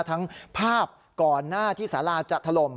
ทั้งภาพก่อนหน้าที่สาราจะถล่ม